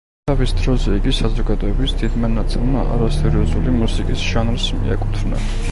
თავის დროზე იგი საზოგადოების დიდმა ნაწილმა არასერიოზული მუსიკის ჟანრს მიაკუთვნა.